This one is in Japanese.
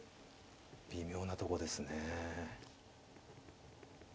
微妙なとこですね。